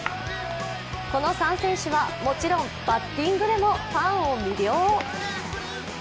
この３選手はもちろんバッティングでもファンを魅了。